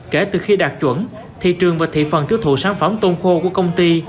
kể từ khi đạt chuẩn thị trường và thị phần tiêu thụ sản phẩm tôn khô của công ty